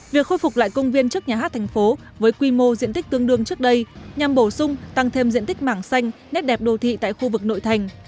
việc khôi phục lại công viên trước nhà hát thành phố với quy mô diện tích tương đương trước đây nhằm bổ sung tăng thêm diện tích mảng xanh nét đẹp đô thị tại khu vực nội thành